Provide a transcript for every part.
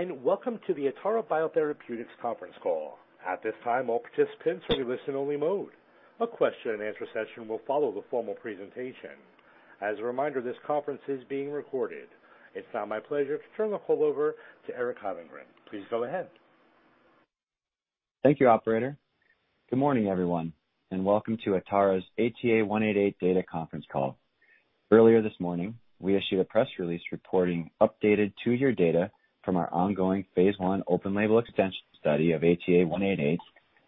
Hello, and welcome to the Atara Biotherapeutics conference call. At this time all participants are in listen only mode. A question and answer session will follow the formal presentation. As a reminder, this conference is being recorded. It's now my pleasure to turn the call over to Eric Hyllengren. Please go ahead. Thank you, operator. Good morning, everyone, and welcome to Atara's ATA188 data conference call. Earlier this morning, we issued a press release reporting updated two-year data from our ongoing phase I open label extension study of ATA188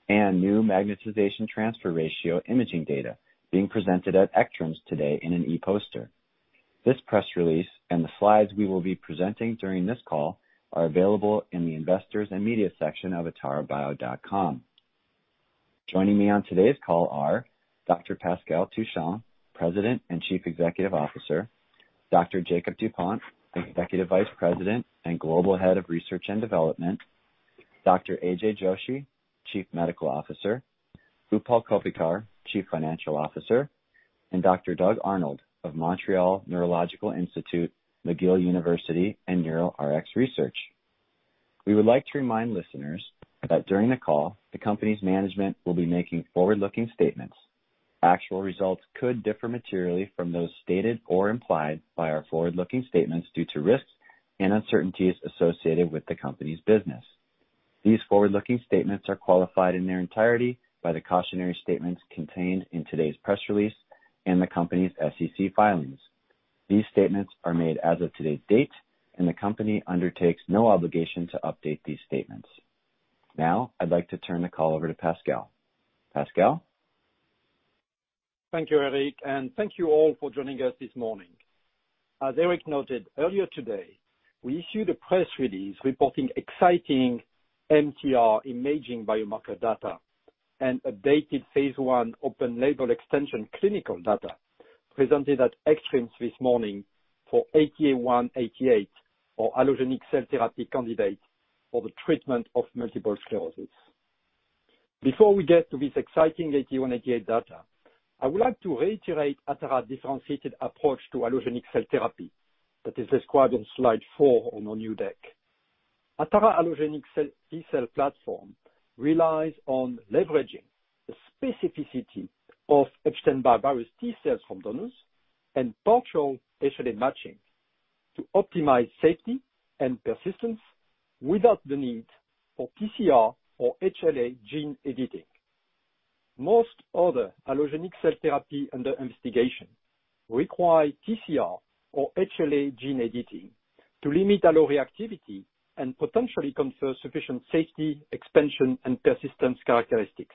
and new magnetization transfer ratio imaging data being presented at ECTRIMS today in an e-poster. This press release and the slides we will be presenting during this call are available in the investors and media section of atarabio.com. Joining me on today's call are Dr. Pascal Touchon, President and Chief Executive Officer, Dr. Jakob Dupont, Executive Vice President and Global Head of Research and Development, Dr. AJ Joshi, Chief Medical Officer, Utpal Koppikar, Chief Financial Officer, and Dr. Doug Arnold of Montreal Neurological Institute, McGill University, and NeuroRx Research. We would like to remind listeners that during the call, the company's management will be making forward-looking statements. Actual results could differ materially from those stated or implied by our forward-looking statements due to risks and uncertainties associated with the company's business. These forward-looking statements are qualified in their entirety by the cautionary statements contained in today's press release and the company's SEC filings. These statements are made as of today's date, and the company undertakes no obligation to update these statements. Now, I'd like to turn the call over to Pascal. Pascal? Thank you, Eric, and thank you all for joining us this morning. As Eric noted, earlier today, we issued a press release reporting exciting MTR imaging biomarker data and updated phase I open label extension clinical data presented at ECTRIMS this morning for ATA188, our allogeneic cell therapy candidate for the treatment of multiple sclerosis. Before we get to this exciting ATA188 data, I would like to reiterate Atara's differentiated approach to allogeneic cell therapy that is described on slide four on our new deck. Atara allogeneic T-cell platform relies on leveraging the specificity of Epstein-Barr virus T-cells from donors and partial HLA matching to optimize safety and persistence without the need for TCR or HLA gene editing. Most other allogeneic cell therapy under investigation require TCR or HLA gene editing to limit alloreactivity and potentially confer sufficient safety, expansion, and persistence characteristics.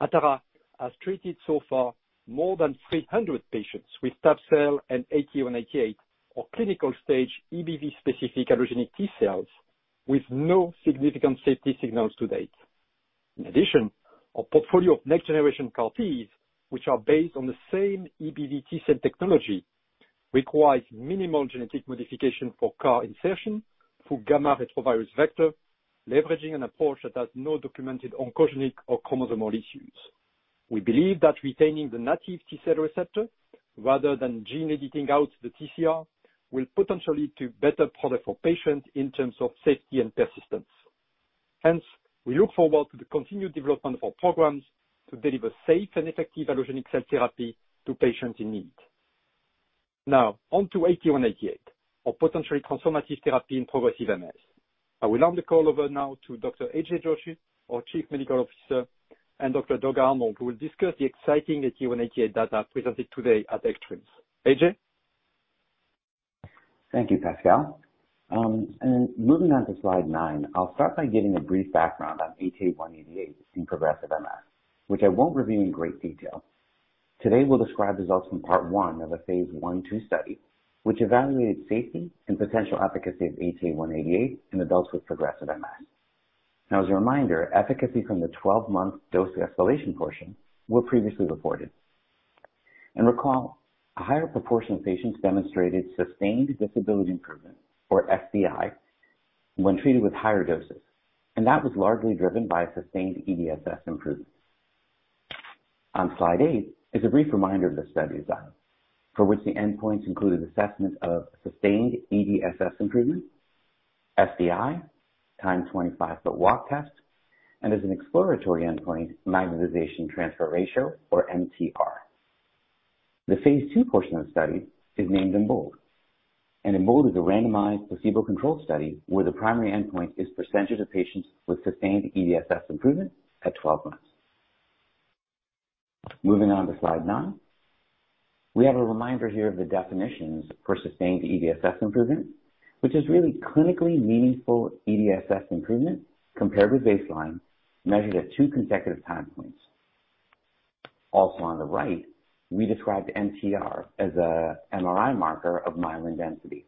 Atara has treated so far more than 300 patients with tab-cel and ATA188 or clinical stage EBV-specific allogeneic T-cells with no significant safety signals to date. In addition, our portfolio of next generation CAR-Ts, which are based on the same EBV T-cell technology, requires minimal genetic modification for CAR insertion through gammaretrovirus vector, leveraging an approach that has no documented oncogenic or chromosomal issues. We believe that retaining the native T-cell receptor rather than gene editing out the TCR will potentially lead to better product for patients in terms of safety and persistence. Hence, we look forward to the continued development of our programs to deliver safe and effective allogeneic cell therapy to patients in need. Now on to ATA188, our potentially transformative therapy in progressive MS. I will hand the call over now to Dr. AJ Joshi, our Chief Medical Officer, and Dr. Doug Arnold, who will discuss the exciting ATA188 data presented today at ECTRIMS. AJ? Thank you, Pascal. Moving on to slide nine, I'll start by giving a brief background on ATA188 in progressive MS, which I won't review in great detail. Today, we'll describe results from part one of a phase I/II study, which evaluated safety and potential efficacy of ATA188 in adults with progressive MS. As a reminder, efficacy from the 12-month dose escalation portion were previously reported. Recall, a higher proportion of patients demonstrated sustained disability improvement, or SDI, when treated with higher doses, and that was largely driven by a sustained EDSS improvement. On slide eight is a brief reminder of the study design, for which the endpoints included assessment of sustained EDSS improvement, SDI, timed 25-foot walk test, and as an exploratory endpoint, magnetization transfer ratio, or MTR. The phase II portion of the study is named EMBOLD. EMBOLD is a randomized placebo-controlled study where the primary endpoint is percentage of patients with sustained EDSS improvement at 12 months. Moving on to slide nine, we have a reminder here of the definitions for sustained EDSS improvement, which is really clinically meaningful EDSS improvement compared with baseline, measured at two consecutive time points. Also on the right, we describe MTR as a MRI marker of myelin density,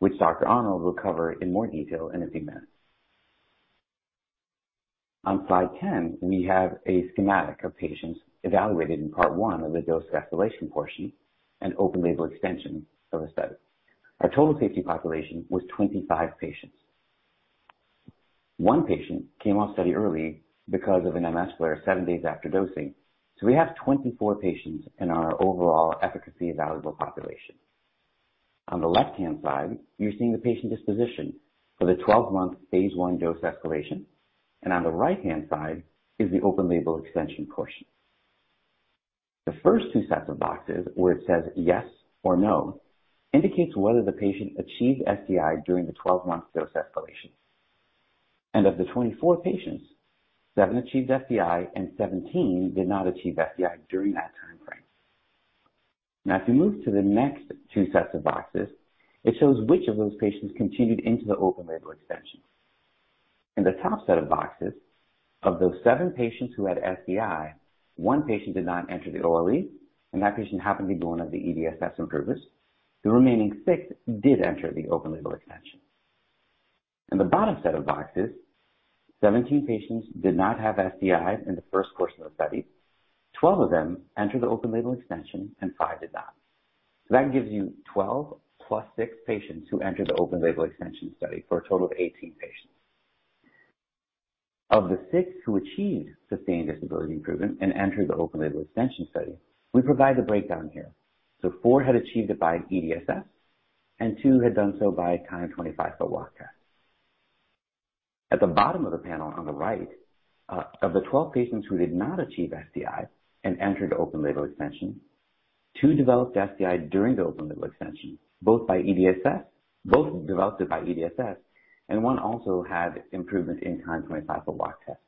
which Dr. Arnold will cover in more detail in a few minutes. On slide 10, we have a schematic of patients evaluated in part one of the dose escalation portion and open label extension of the study. Our total safety population was 25 patients. One patient came off study early because of an MS flare seven days after dosing. We have 24 patients in our overall efficacy evaluable population. On the left-hand side, you're seeing the patient disposition for the 12-month phase I dose escalation, and on the right-hand side is the OLE portion. The first two sets of boxes where it says yes or no indicates whether the patient achieved SDI during the 12-month dose escalation. Of the 24 patients, seven achieved SDI and 17 did not achieve SDI during that timeframe. If you move to the next two sets of boxes, it shows which of those patients continued into the OLE. In the top set of boxes, of those seven patients who had SDI, one patient did not enter the OLE, and that patient happened to be one of the EDSS improvers. The remaining six did enter the OLE. In the bottom set of boxes, 17 patients did not have SDI in the first portion of the study. 12 of them entered the open-label extension and five did not. That gives you 12+6 patients who entered the open-label extension study, for a total of 18 patients. Of the six who achieved sustained disability improvement and entered the open-label extension study, we provide the breakdown here. Four had achieved it by EDSS and two had done so by timed 25-foot walk test. At the bottom of the panel on the right, of the 12 patients who did not achieve SDI and entered open-label extension, two developed SDI during the open-label extension, both developed it by EDSS, and one also had improvement in timed 25-foot walk test.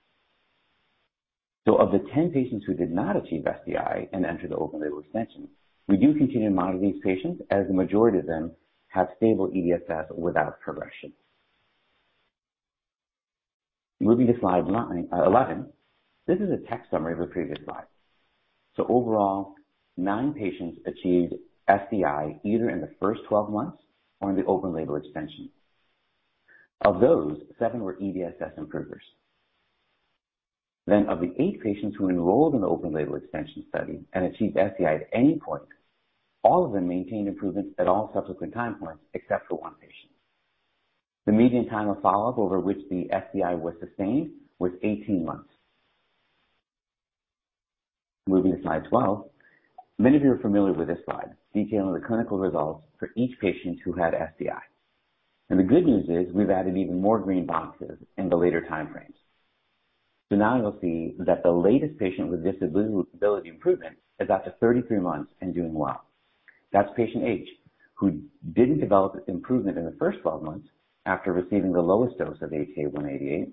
Of the 10 patients who did not achieve SDI and entered the open-label extension, we do continue to monitor these patients as the majority of them have stable EDSS without progression. Moving to slide 11. This is a text summary of a previous slide. Overall, nine patients achieved SDI either in the first 12 months or in the open-label extension. Of those, seven were EDSS improvers. Of the eight patients who enrolled in the open-label extension study and achieved SDI at any point, all of them maintained improvements at all subsequent time points except for one patient. The median time of follow-up over which the SDI was sustained was 18 months. Moving to slide 12. Many of you are familiar with this slide detailing the clinical results for each patient who had SDI. The good news is we've added even more green boxes in the later time frames. Now you'll see that the latest patient with disability improvement is up to 33 months and doing well. That's patient H, who didn't develop improvement in the first 12 months after receiving the lowest dose of ATA188.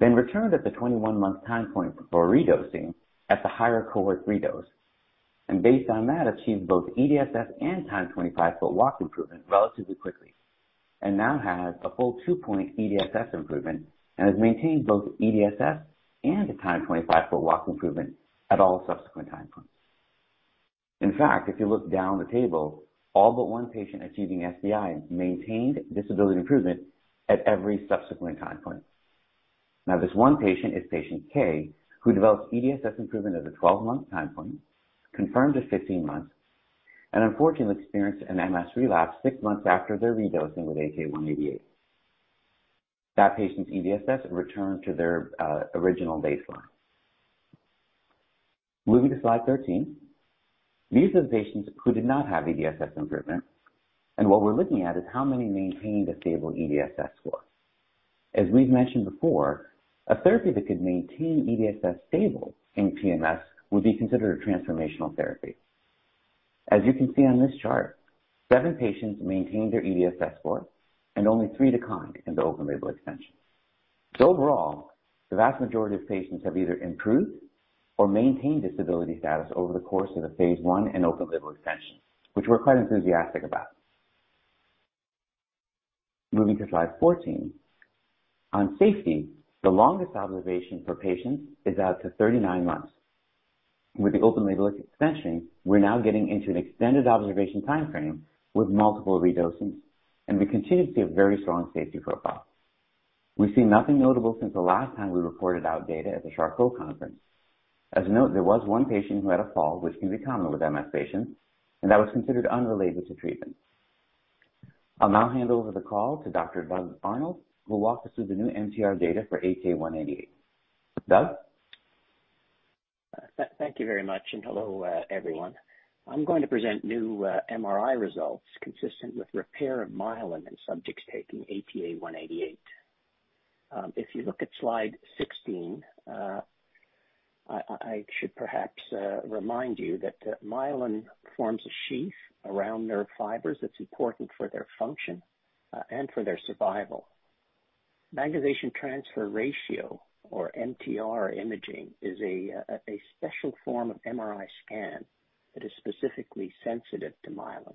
Returned at the 21-month time point for redosing at the higher cohort redose, and based on that, achieved both EDSS and timed 25-foot walk improvement relatively quickly, and now has a full two-point EDSS improvement and has maintained both EDSS and timed 25-foot walk improvement at all subsequent time points. In fact, if you look down the table, all but one patient achieving SDI maintained disability improvement at every subsequent time point. This one patient is patient K, who developed EDSS improvement at the 12-month time point, confirmed at 15 months, and unfortunately experienced an MS relapse six months after their redosing with ATA188. That patient's EDSS returned to their original baseline. Moving to slide 13. These are the patients who did not have EDSS improvement. What we're looking at is how many maintained a stable EDSS score. As we've mentioned before, a therapy that could maintain EDSS stable in PMS would be considered a transformational therapy. As you can see on this chart, seven patients maintained their EDSS score and only three declined in the open-label extension. Overall, the vast majority of patients have either improved or maintained disability status over the course of the phase I and open-label extension, which we're quite enthusiastic about. Moving to slide 14. On safety, the longest observation for patients is out to 39 months. With the open label extension, we're now getting into an extended observation timeframe with multiple redosings. We continue to see a very strong safety profile. We see nothing notable since the last time we reported out data at the Charcot Lecture. As a note, there was one patient who had a fall, which can be common with MS patients. That was considered unrelated to treatment. I'll now hand over the call to Dr. Doug Arnold, who will walk us through the new MTR data for ATA188. Doug? Thank you very much, and hello, everyone. I'm going to present new MRI results consistent with repair of myelin in subjects taking ATA188. If you look at slide 16, I should perhaps remind you that myelin forms a sheath around nerve fibers that's important for their function and for their survival. Magnetization transfer ratio, or MTR imaging, is a special form of MRI scan that is specifically sensitive to myelin.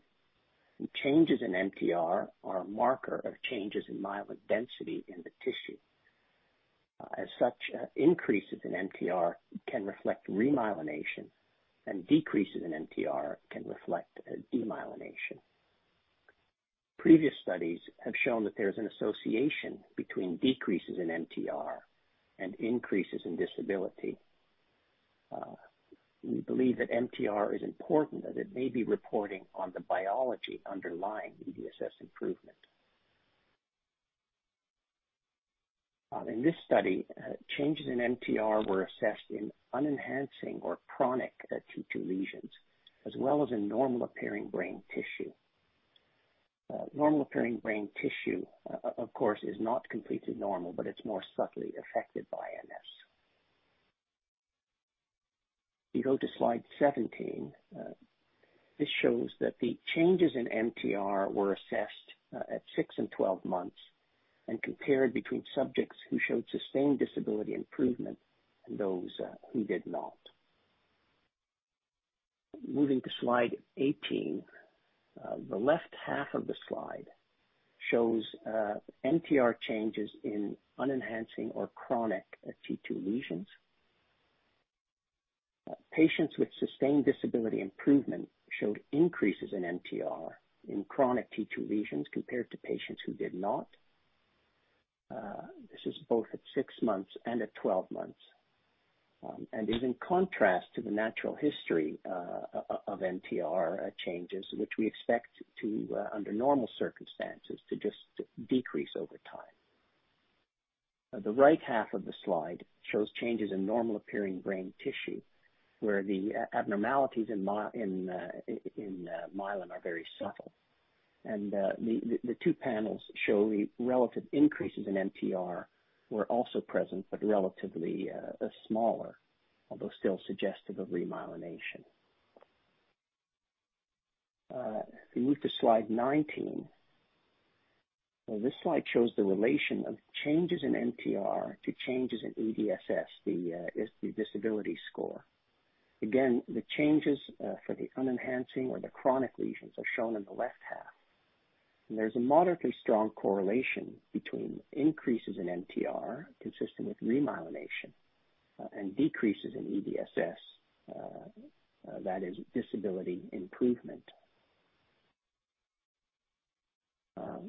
Changes in MTR are a marker of changes in myelin density in the tissue. As such, increases in MTR can reflect remyelination and decreases in MTR can reflect demyelination. Previous studies have shown that there's an association between decreases in MTR and increases in disability. We believe that MTR is important, as it may be reporting on the biology underlying EDSS improvement. In this study, changes in MTR were assessed in unenhancing or chronic T2 lesions, as well as in normal-appearing brain tissue. Normal-appearing brain tissue, of course, is not completely normal, but it's more subtly affected by MS. If you go to slide 17, this shows that the changes in MTR were assessed at six and 12 months and compared between subjects who showed sustained disability improvement and those who did not. Moving to slide 18, the left half of the slide shows MTR changes in unenhancing or chronic T2 lesions. Patients with sustained disability improvement showed increases in MTR in chronic T2 lesions compared to patients who did not. This is both at six months and at 12 months, and is in contrast to the natural history of MTR changes, which we expect to, under normal circumstances, to just decrease over time. The right half of the slide shows changes in normal-appearing brain tissue, where the abnormalities in myelin are very subtle. The two panels show the relative increases in MTR were also present but relatively smaller, although still suggestive of remyelination. If we move to slide 19, this slide shows the relation of changes in MTR to changes in EDSS, the disability score. Again, the changes for the unenhancing or the chronic lesions are shown in the left half. There's a moderately strong correlation between increases in MTR consistent with remyelination and decreases in EDSS. That is disability improvement.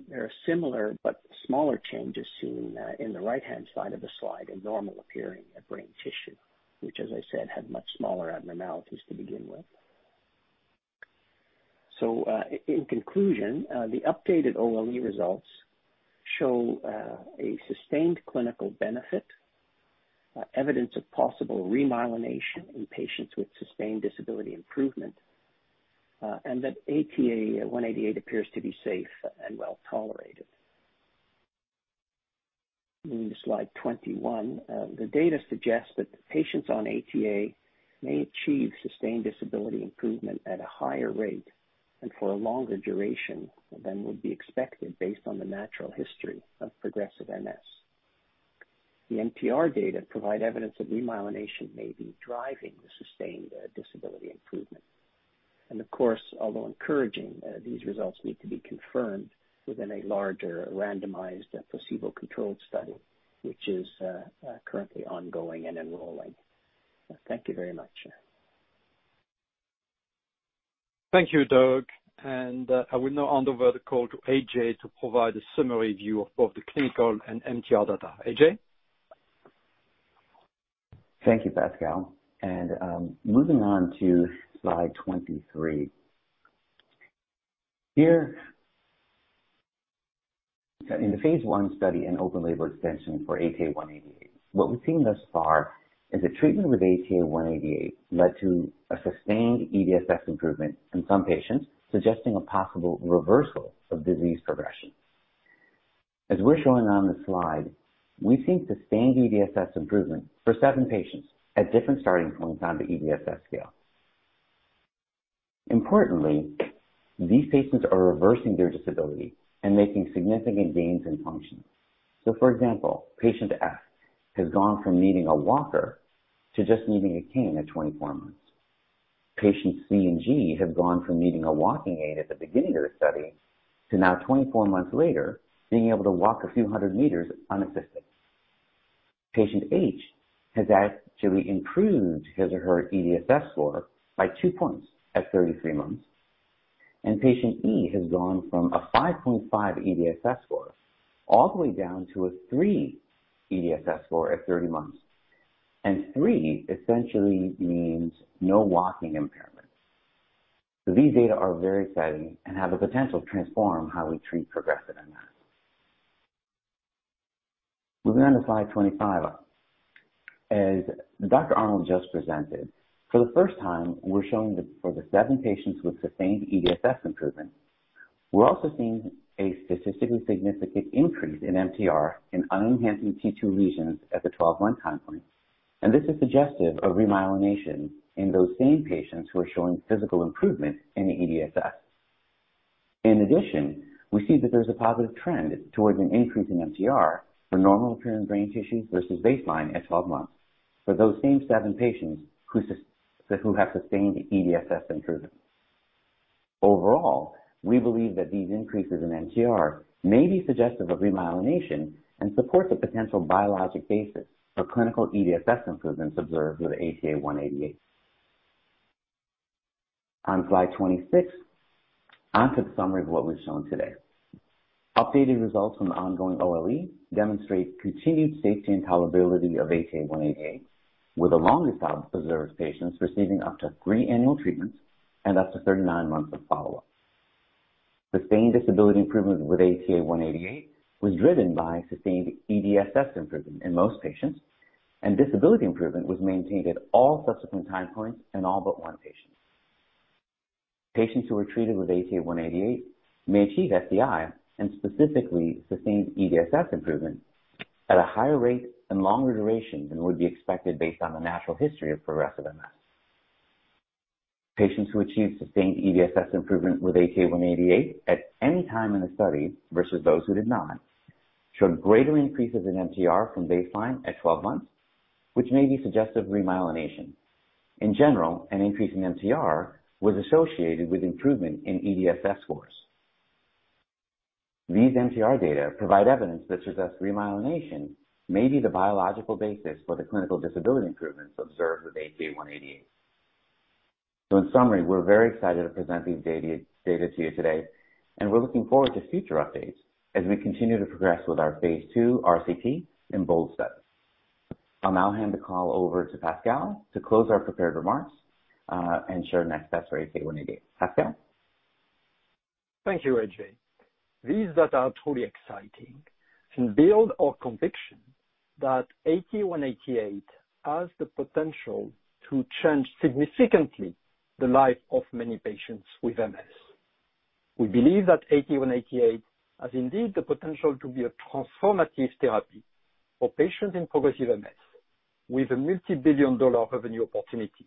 There are similar but smaller changes seen in the right-hand side of the slide in normal-appearing brain tissue, which, as I said, had much smaller abnormalities to begin with. In conclusion, the updated OLE results show a sustained clinical benefit, evidence of possible remyelination in patients with sustained disability improvement, and that ATA188 appears to be safe and well-tolerated. Moving to slide 21, the data suggests that patients on ATA may achieve sustained disability improvement at a higher rate and for a longer duration than would be expected based on the natural history of progressive MS. The MTR data provide evidence that remyelination may be driving the sustained disability improvement. Of course, although encouraging, these results need to be confirmed within a larger randomized placebo-controlled study, which is currently ongoing and enrolling. Thank you very much. Thank you, Doug. I will now hand over the call to AJ to provide a summary view of both the clinical and MTR data. AJ? Thank you, Pascal. Moving on to slide 23. Here, in the phase I study, an open-label extension for ATA188, what we've seen thus far is that treatment with ATA188 led to a sustained EDSS improvement in some patients, suggesting a possible reversal of disease progression. As we're showing on this slide, we've seen sustained EDSS improvement for seven patients at different starting points on the EDSS scale. Importantly, these patients are reversing their disability and making significant gains in function. For example, patient F has gone from needing a walker to just needing a cane at 24 months. Patients C and G have gone from needing a walking aid at the beginning of the study to now 24 months later, being able to walk a few hundred meters unassisted. Patient H has actually improved his or her EDSS score by two points at 33 months, and patient E has gone from a 5.5 EDSS score all the way down to a 3 EDSS score at 30 months. Three essentially means no walking impairment. These data are very exciting and have the potential to transform how we treat progressive MS. Moving on to slide 25. As Dr. Arnold just presented, for the first time, we're showing for the seven patients with sustained EDSS improvement, we're also seeing a statistically significant increase in MTR in unenhancing T2 lesions at the 12-month timeline, and this is suggestive of remyelination in those same patients who are showing physical improvement in the EDSS. In addition, we see that there's a positive trend towards an increase in MTR for normal-appearing brain tissues versus baseline at 12 months for those same seven patients who have sustained EDSS improvement. Overall, we believe that these increases in MTR may be suggestive of remyelination and support the potential biologic basis for clinical EDSS improvements observed with ATA188. On slide 26, onto the summary of what we've shown today. Updated results from the ongoing OLE demonstrate continued safety and tolerability of ATA188, with the longest followed observed patients receiving up to three annual treatments and up to 39 months of follow-up. Sustained disability improvement with ATA188 was driven by sustained EDSS improvement in most patients, and disability improvement was maintained at all subsequent time points in all but one patient. Patients who were treated with ATA188 may achieve SDI. Specifically, sustained EDSS improvement at a higher rate and longer duration than would be expected based on the natural history of progressive MS. Patients who achieve sustained EDSS improvement with ATA188 at any time in the study versus those who did not, showed greater increases in MTR from baseline at 12 months, which may be suggestive of remyelination. In general, an increase in MTR was associated with improvement in EDSS scores. These MTR data provide evidence that suggests remyelination may be the biological basis for the clinical disability improvements observed with ATA188. In summary, we're very excited to present these data to you today, and we're looking forward to future updates as we continue to progress with our phase II RCT, EMBOLD study. I'll now hand the call over to Pascal to close our prepared remarks, and share next steps for ATA188. Pascal? Thank you, AJ. These data are truly exciting and build our conviction that ATA188 has the potential to change significantly the life of many patients with MS. We believe that ATA188 has indeed the potential to be a transformative therapy for patients in progressive MS with a multi-billion dollar revenue opportunity.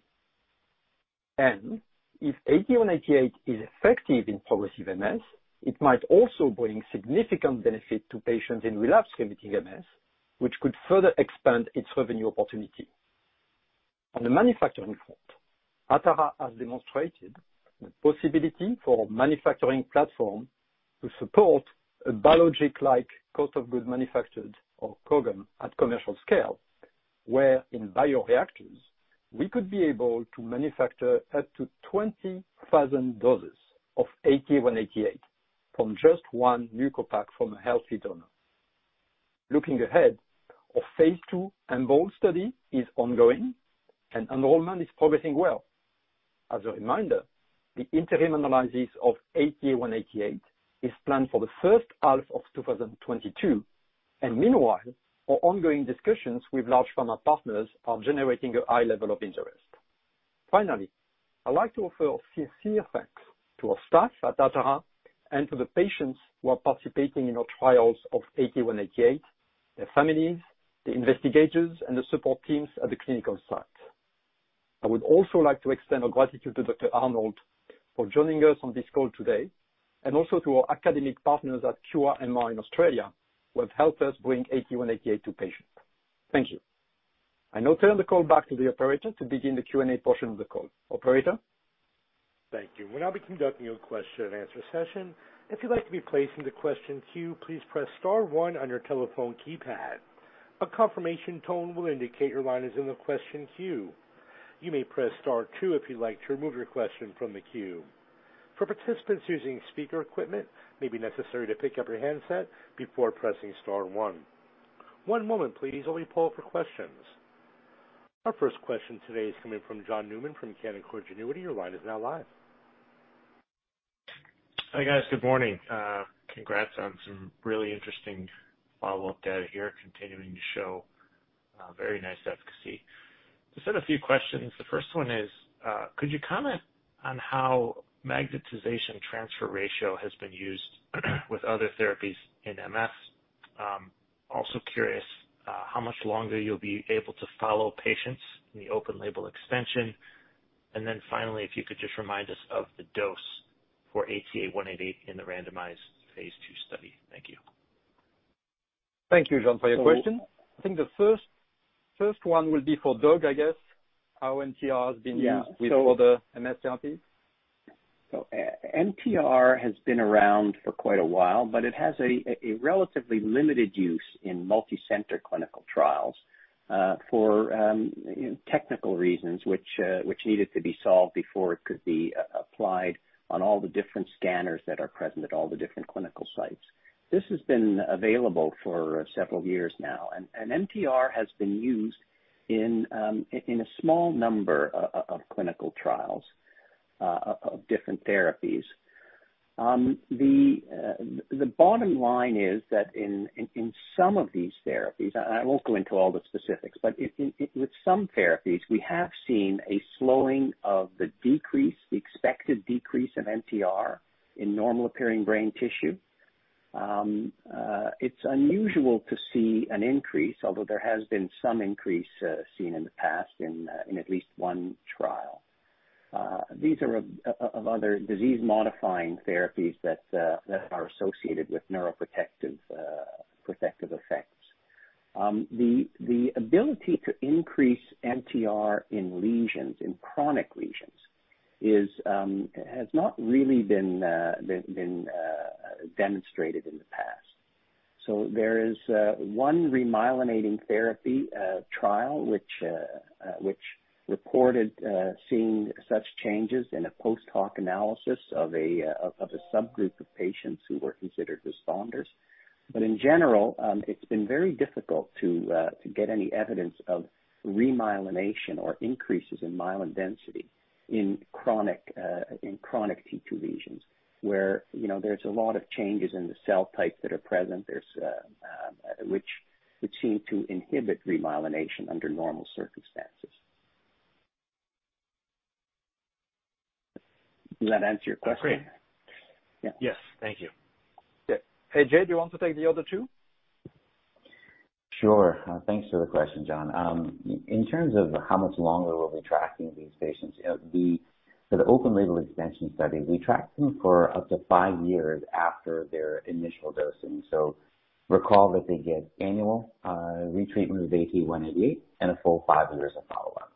If ATA188 is effective in progressive MS, it might also bring significant benefit to patients in relapsing MS, which could further expand its revenue opportunity. On the manufacturing front, Atara has demonstrated the possibility for a manufacturing platform to support a biologic-like cost of goods manufactured or COGM at commercial scale, where in bioreactors, we could be able to manufacture up to 20,000 doses of ATA188 from just one leukopak from a healthy donor. Looking ahead, our phase II EMBOLD study is ongoing and enrollment is progressing well. As a reminder, the interim analysis of ATA188 is planned for the first half of 2022, and meanwhile, our ongoing discussions with large pharma partners are generating a high level of interest. Finally, I'd like to offer sincere thanks to our staff at Atara and to the patients who are participating in our trials of ATA188, their families, the investigators, and the support teams at the clinical sites. I would also like to extend our gratitude to Dr. Arnold for joining us on this call today, and also to our academic partners at QIMR in Australia who have helped us bring ATA188 to patients. Thank you. I now turn the call back to the operator to begin the Q&A portion of the call. Operator? Thank you. We'll now be conducting a question and answer session. If you'd like to be placed in the question queue, please press star one on your telephone keypad. A confirmation tone will indicate your line is in the question queue. You may press star two if you'd like to remove your question from the queue. For participants using speaker equipment, it may be necessary to pick up your handset before pressing star one. One moment please while we poll for questions. Our first question today is coming from John Newman from Canaccord Genuity. Your line is now live. Hi, guys. Good morning. Congrats on some really interesting follow-up data here continuing to show very nice efficacy. Just had a few questions. The first one is, could you comment on how magnetization transfer ratio has been used with other therapies in MS? Also curious how much longer you'll be able to follow patients in the open label extension? Finally, if you could just remind us of the dose for ATA188 in the randomized phase II study? Thank you. Thank you, John, for your question. I think the first one will be for Doug, I guess, how MTR has been used. Yeah. With other MS therapies. MTR has been around for quite a while, but it has a relatively limited use in multi-center clinical trials for technical reasons which needed to be solved before it could be applied on all the different scanners that are present at all the different clinical sites. This has been available for several years now, and MTR has been used in a small number of clinical trials of different therapies. The bottom line is that in some of these therapies, I won't go into all the specifics, but with some therapies, we have seen a slowing of the decrease, the expected decrease in MTR in normal appearing brain tissue. It's unusual to see an increase, although there has been some increase seen in the past in at least one trial. These are of other disease-modifying therapies that are associated with neuroprotective effects. The ability to increase MTR in lesions, in chronic lesions has not really been demonstrated in the past. There is one remyelinating therapy trial which reported seeing such changes in a post hoc analysis of a subgroup of patients who were considered responders. In general, it's been very difficult to get any evidence of remyelination or increases in myelin density in chronic T2 lesions where there's a lot of changes in the cell types that are present which seem to inhibit remyelination under normal circumstances. Does that answer your question? Great. Yeah. Yes. Thank you. Yeah. Hey, AJ, do you want to take the other two? Sure. Thanks for the question, John. In terms of how much longer we'll be tracking these patients, for the open-label extension study, we tracked them for up to five years after their initial dosing. Recall that they get annual retreatment with ATA188 and a full five years of follow-up.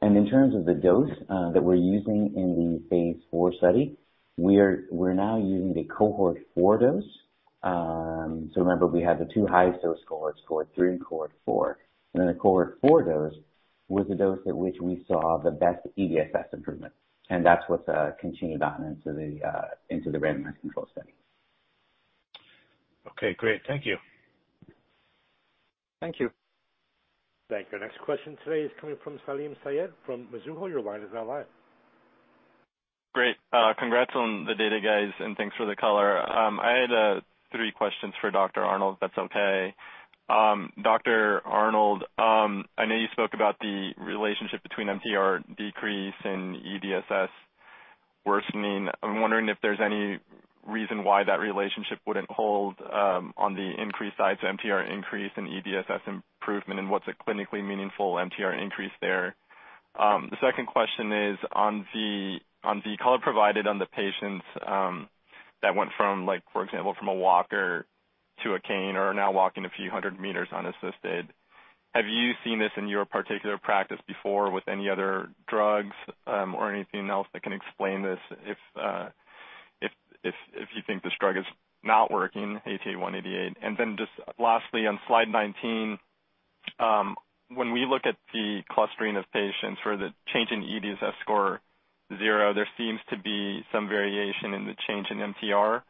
In terms of the dose that we're using in the phase IV study, we're now using the Cohort 4 dose. Remember, we had the two highest dose cohorts, Cohort 3 and Cohort 4, and then the Cohort 4 dose was the dose at which we saw the best EDSS improvement, and that's what's continued on into the randomized control study. Okay, great. Thank you. Thank you. Thank you. Our next question today is coming from Salim Syed from Mizuho. Your line is now live. Great. Congrats on the data, guys, and thanks for the color. I had three questions for Dr. Arnold, if that's okay. Dr. Arnold, I know you spoke about the relationship between MTR decrease and EDSS worsening. I'm wondering if there's any reason why that relationship wouldn't hold on the increased sides, MTR increase and EDSS improvement, and what's a clinically meaningful MTR increase there? The second question is on the color provided on the patients that went from, for example, from a walker to a cane or are now walking a few 100 m unassisted. Have you seen this in your particular practice before with any other drugs or anything else that can explain this if you think this drug is not working, ATA188? Just lastly, on slide 19, when we look at the clustering of patients for the change in EDSS score zero, there seems to be some variation in the change in MTR,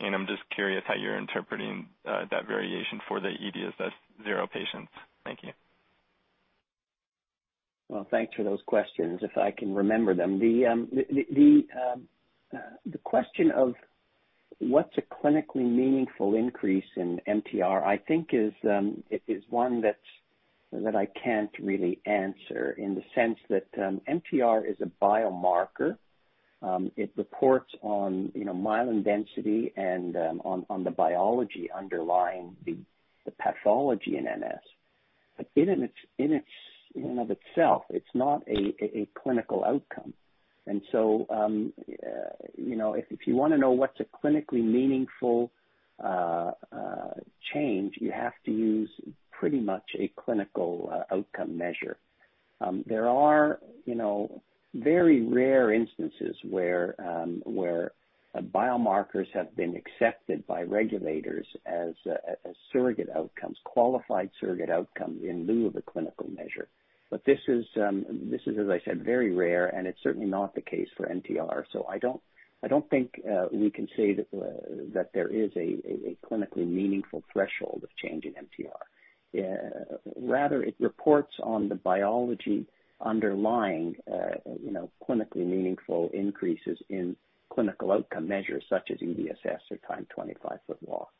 and I'm just curious how you're interpreting that variation for the EDSS zero patients. Thank you. Thanks for those questions, if I can remember them. The question of what's a clinically meaningful increase in MTR, I think is one that I can't really answer in the sense that MTR is a biomarker. It reports on myelin density and on the biology underlying the pathology in MS. In and of itself, it's not a clinical outcome. If you want to know what's a clinically meaningful change, you have to use pretty much a clinical outcome measure. There are very rare instances where biomarkers have been accepted by regulators as surrogate outcomes, qualified surrogate outcomes in lieu of a clinical measure. This is, as I said, very rare, and it's certainly not the case for MTR. I don't think we can say that there is a clinically meaningful threshold of change in MTR. Rather, it reports on the biology underlying clinically meaningful increases in clinical outcome measures such as EDSS or timed 25-foot walk.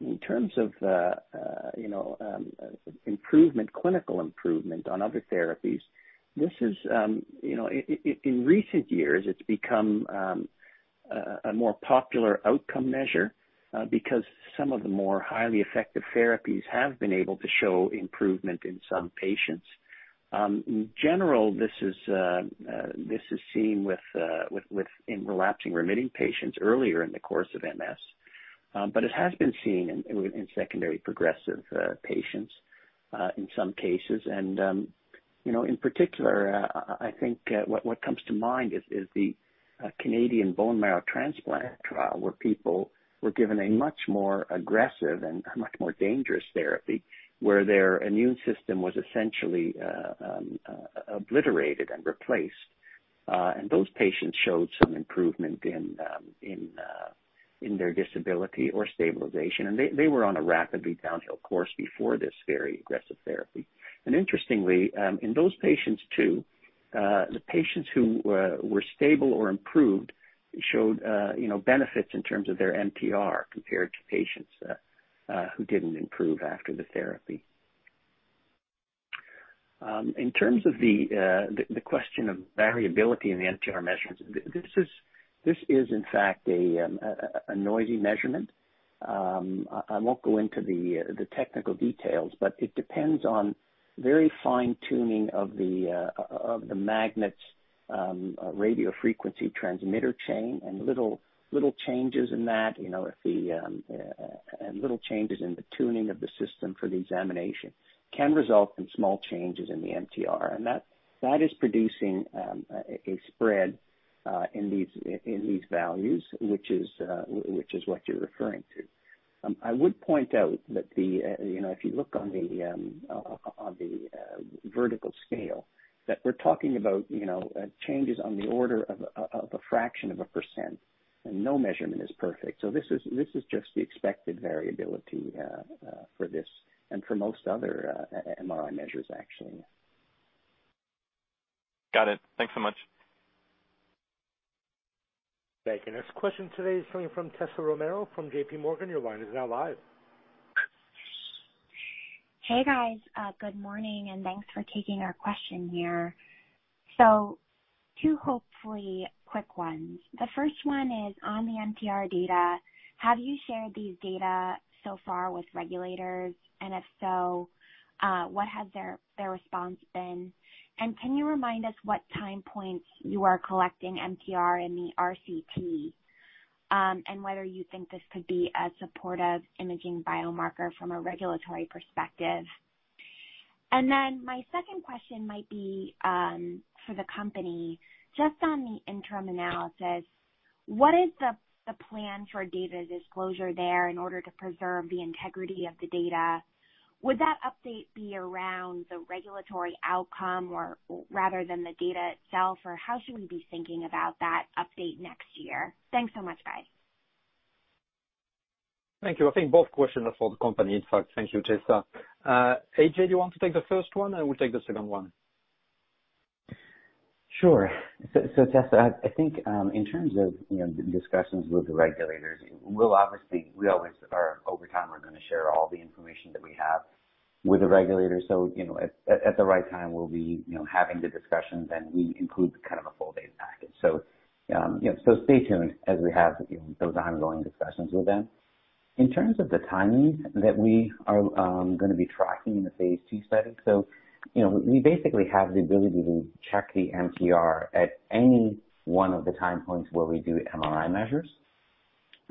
In terms of clinical improvement on other therapies, in recent years, it's become a more popular outcome measure because some of the more highly effective therapies have been able to show improvement in some patients. In general, this is seen in relapsing remitting patients earlier in the course of MS, but it has been seen in secondary progressive patients in some cases. In particular, I think what comes to mind is the Canadian bone marrow transplant trial where people were given a much more aggressive and a much more dangerous therapy where their immune system was essentially obliterated and replaced. Those patients showed some improvement in their disability or stabilization, and they were on a rapidly downhill course before this very aggressive therapy. Interestingly, in those patients too, the patients who were stable or improved showed benefits in terms of their MTR compared to patients who didn't improve after the therapy. In terms of the question of variability in the MTR measurements, this is in fact a noisy measurement. I won't go into the technical details, but it depends on very fine-tuning of the magnet's radio frequency transmitter chain, and little changes in that and little changes in the tuning of the system for the examination can result in small changes in the MTR. That is producing a spread in these values, which is what you're referring to. I would point out that if you look on the vertical scale, that we're talking about changes on the order of a fraction of a percent, and no measurement is perfect. This is just the expected variability for this and for most other MRI measures, actually. Got it. Thanks so much. Thank you. Next question today is coming from Tessa Romero from JPMorgan. Your line is now live. Hey, guys. Good morning, and thanks for taking our question here. Two hopefully quick ones. The first one is on the MTR data. Have you shared these data so far with regulators? If so, what has their response been? Can you remind us what time points you are collecting MTR in the RCT, and whether you think this could be a supportive imaging biomarker from a regulatory perspective? My second question might be for the company, just on the interim analysis. What is the plan for data disclosure there in order to preserve the integrity of the data? Would that update be around the regulatory outcome rather than the data itself, or how should we be thinking about that update next year? Thanks so much, guys. Thank you. I think both questions are for the company. In fact, thank you, Tessa. AJ, do you want to take the first one? I will take the second one. Sure. Tessa, I think in terms of discussions with the regulators, over time, we're going to share all the information that we have with the regulators. At the right time, we'll be having the discussions, and we include a full data package. Stay tuned as we have those ongoing discussions with them. In terms of the timing that we are going to be tracking in the phase II setting. We basically have the ability to check the MTR at any one of the time points where we do MRI measures.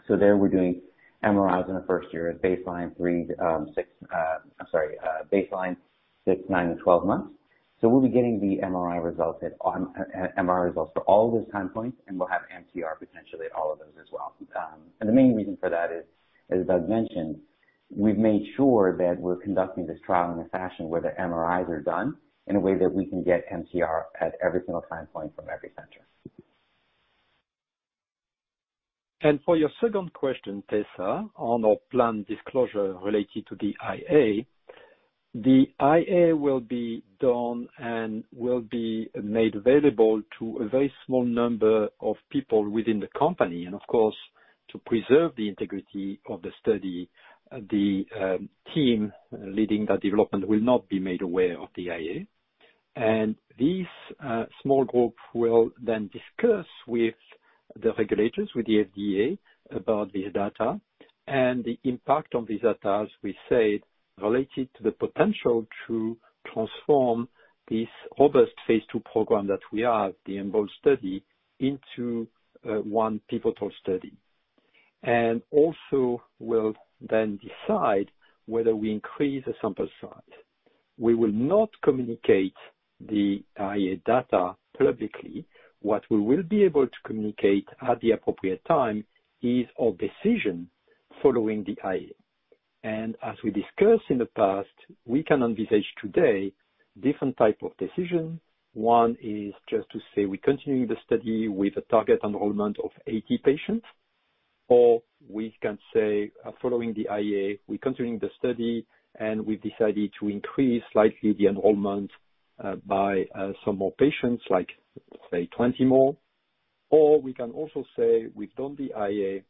There we're doing MRIs in the first year at baseline three, six I'm sorry, baseline six, 9-12 months. We'll be getting the MRI results for all those time points, and we'll have MTR potentially at all of those as well. The main reason for that is, as Doug mentioned, we've made sure that we're conducting this trial in a fashion where the MRIs are done in a way that we can get MTR at every single time point from every center. For your second question, Tessa, on our planned disclosure related to the IA. The IA will be done and will be made available to a very small number of people within the company, and of course, to preserve the integrity of the study, the team leading that development will not be made aware of the IA. This small group will then discuss with the regulators, with the FDA, about this data and the impact of this data, as we said, related to the potential to transform this robust phase II program that we are, the EMBOLD study, into one pivotal study. Also will then decide whether we increase the sample size. We will not communicate the IA data publicly. What we will be able to communicate at the appropriate time is our decision following the IA. As we discussed in the past, we can envisage today different type of decision. One is just to say we're continuing the study with a target enrollment of 80 patients, or we can say, following the IA, we're continuing the study, and we decided to increase slightly the enrollment by some more patients, like, say, 20 more. We can also say we've done the IA,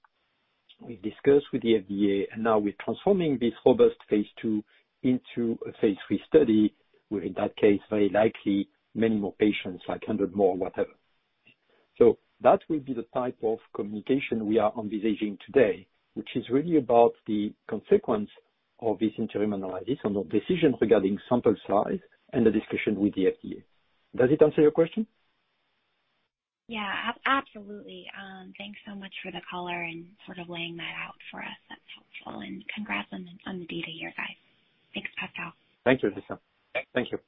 we've discussed with the FDA, and now we're transforming this robust phase II into a phase III study, where in that case, very likely many more patients, like 100 more, whatever. That will be the type of communication we are envisaging today, which is really about the consequence of this interim analysis and the decision regarding sample size and the discussion with the FDA. Does it answer your question? Yeah, absolutely. Thanks so much for the color and sort of laying that out for us. That's helpful. Congrats on the data here, guys. Thanks, Pascal. Thank you, Tessa. Thanks. Thank you.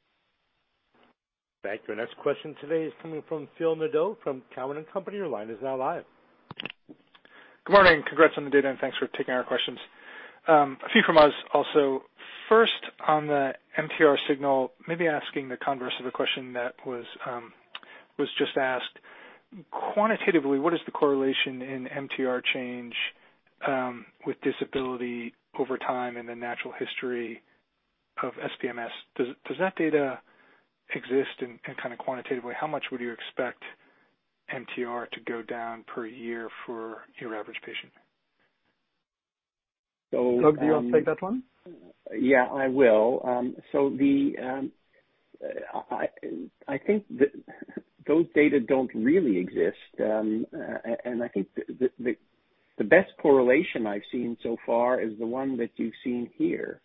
Thank you. Our next question today is coming from Phil Nadeau from Cowen and Company. Your line is now live. Good morning. Congrats on the data, and thanks for taking our questions. A few from us also. First, on the MTR signal, maybe asking the converse of a question that was just asked. Quantitatively, what is the correlation in MTR change with disability over time in the natural history of SPMS? Does that data exist in a quantitative way? How much would you expect MTR to go down per year for your average patient? Doug, do you want to take that one? Yeah, I will. I think those data don't really exist. I think the best correlation I've seen so far is the one that you've seen here.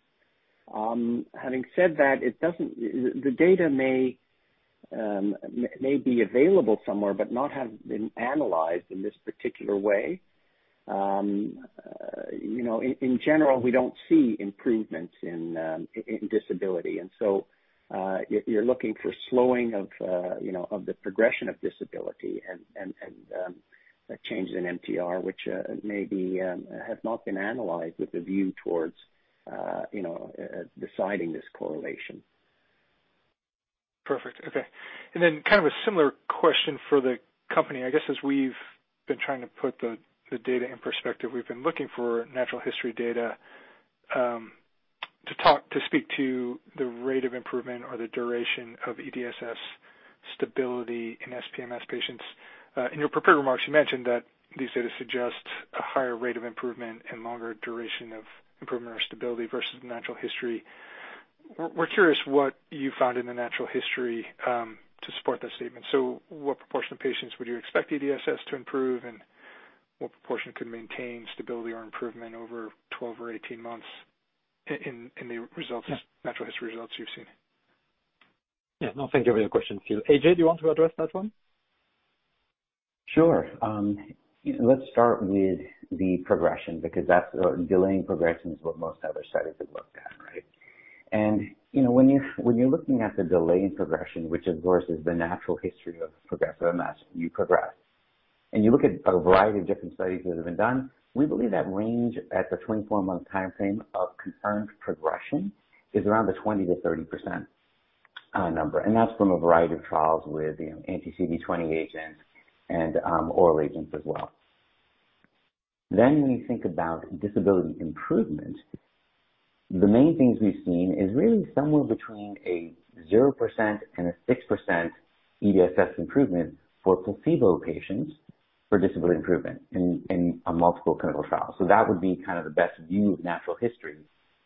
Having said that, the data may be available somewhere but not have been analyzed in this particular way. In general, we don't see improvements in disability, and so you're looking for slowing of the progression of disability and changes in MTR, which maybe have not been analyzed with a view towards deciding this correlation. Perfect. Okay. Kind of a similar question for the company. I guess as we've been trying to put the data in perspective, we've been looking for natural history data to speak to the rate of improvement or the duration of EDSS stability in SPMS patients. In your prepared remarks, you mentioned that these data suggest a higher rate of improvement and longer duration of improvement or stability versus natural history. We're curious what you found in the natural history to support that statement. What proportion of patients would you expect EDSS to improve, and what proportion could maintain stability or improvement over 12 or 18 months in the natural history results you've seen? Yeah. No, thank you for your question, Phil. AJ, do you want to address that one? Sure. Let's start with the progression, because delaying progression is what most other studies have looked at, right? When you're looking at the delay in progression, which of course is the natural history of progressive MS, you progress. You look at a variety of different studies that have been done. We believe that range at the 24-month timeframe of confirmed progression is around the 20%-30% number. That's from a variety of trials with anti-CD20 agents and oral agents as well. When you think about disability improvement, the main things we've seen is really somewhere between a 0%-6% EDSS improvement for placebo patients for disability improvement in a multiple clinical trial. That would be kind of the best view of natural history,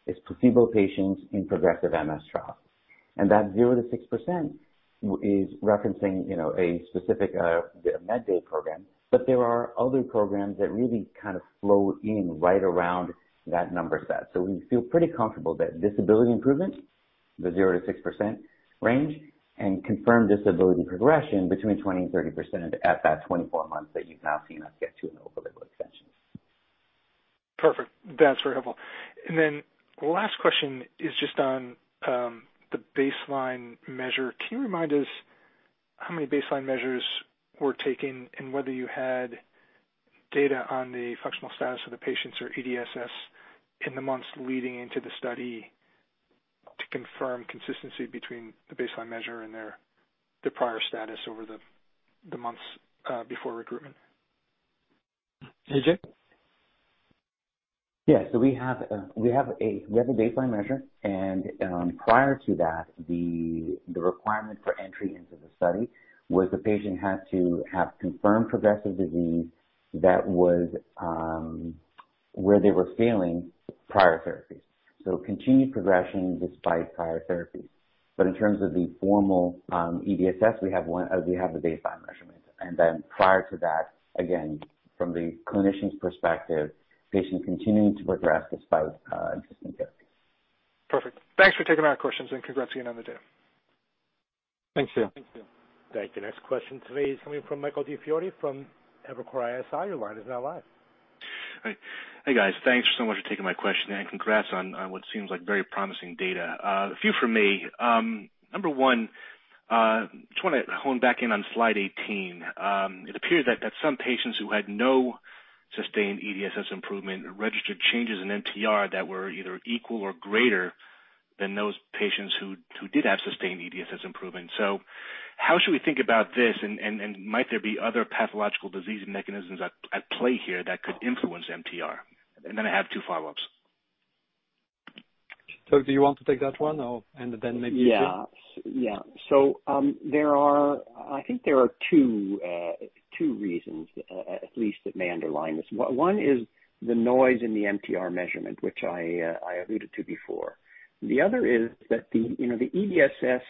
is placebo patients in progressive MS trials. That 0%-6% is referencing a specific MedDay program. There are other programs that really kind of flow in right around that number set. We feel pretty comfortable that disability improvement, the 0%-6% range, and confirmed disability progression between 20%-30% at that 24 months that you've now seen us get to in the open label extension. Perfect. That's very helpful. Last question is just on the baseline measure. Can you remind us how many baseline measures were taken and whether you had data on the functional status of the patients or EDSS in the months leading into the study to confirm consistency between the baseline measure and their prior status over the months before recruitment? AJ? Yeah. We have a baseline measure, and prior to that, the requirement for entry into the study was the patient had to have confirmed progressive disease that was where they were failing prior therapies. Continued progression despite prior therapies. In terms of the formal EDSS, we have the baseline measurement. Prior to that, again, from the clinician's perspective, patient continuing to progress despite existing therapies. Perfect. Thanks for taking our questions, and congrats again on the data. Thanks, Phil. Thanks, Phil. Thank you. Next question today is coming from Michael DiFiore from Evercore ISI. Your line is now live. Hi. Hey, guys. Thanks so much for taking my question, congrats on what seems like very promising data. A few from me. Number one, just want to hone back in on slide 18. It appeared that some patients who had no sustained EDSS improvement registered changes in MTR that were either equal or greater than those patients who did have sustained EDSS improvement. How should we think about this, and might there be other pathological disease mechanisms at play here that could influence MTR? Then I have two follow-ups. Doug, do you want to take that one and then maybe AJ? I think there are two reasons at least that may underline this. One is the noise in the MTR measurement, which I alluded to before. The other is that the EDSS